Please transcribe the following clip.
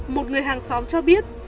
một người hàng xóm cho biết